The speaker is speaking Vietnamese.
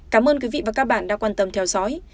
cảm ơn quý vị và các bạn đã quan tâm theo dõi